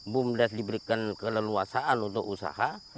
bumdes diberikan keleluasaan untuk usaha